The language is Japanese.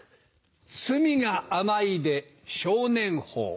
「罪」が「甘い」で少年法。